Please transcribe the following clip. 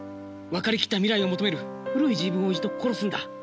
分かりきった未来を求める古い自分を一度殺すんだ。